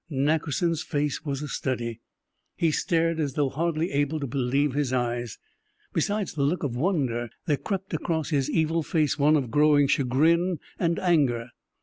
Nackerson's face was a study. He stared as though hardly able to believe his eyes. Besides the look of wonder, there crept across his evil face one of growing chagrin and anger.